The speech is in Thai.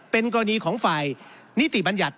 เป็นกรณีของฝ่ายนิติบัญญัติ